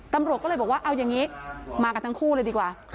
ตำรวจก็เลยบอกว่าเอาอย่างนี้มากันทั้งคู่เลยดีกว่า